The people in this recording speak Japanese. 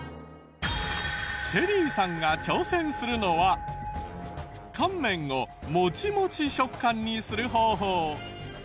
ＳＨＥＬＬＹさんが挑戦するのは乾麺をモチモチ食感にする方法。